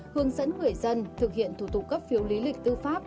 hướng dẫn người dân thực hiện thủ tục cấp phiếu lý lịch tư pháp